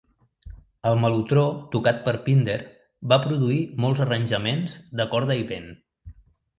El melotró, tocat per Pinder, va produir molts arranjaments de corda i vent.